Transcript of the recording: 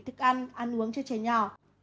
thức ăn ăn uống cho trẻ nhỏ